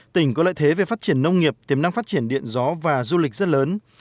tỉnh có lợi thế về phát triển nông nghiệp tiềm năng phát triển điện gió và du lịch rất lớn